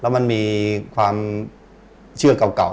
แล้วมันมีความเชื่อเก่า